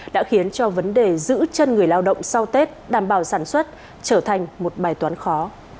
đã khiến cho vấn đề giữ chân người lao động sau tết đảm bảo sản xuất trở thành một bài toán khó